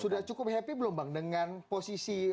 sudah cukup happy belum bang dengan posisi